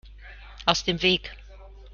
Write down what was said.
Aus dem Weg!